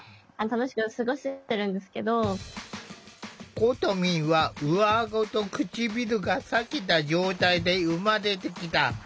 ことみんは上あごと唇がさけた状態で生まれてきた。